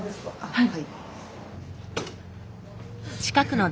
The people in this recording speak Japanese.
はい。